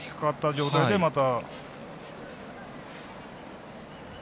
引っ掛かった状態で、また。